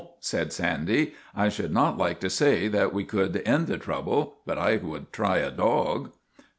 " Well." said Sandy. ' I should not like to say that we could end the trouble, but I would try a dog."